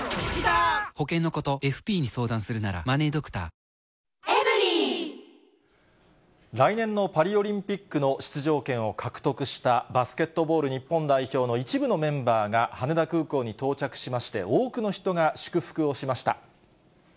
ＶＴｕｂｅｒが伝えるニュースは、公式ＳＮＳでチェックする来年のパリオリンピックの出場権を獲得したバスケットボール日本代表の一部のメンバーが羽田空港に到着しまして、多くの人が祝福をしました。